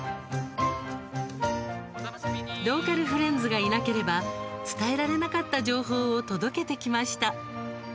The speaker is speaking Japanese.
ローカルフレンズがいなければ伝えられなかった情報を届けてきました。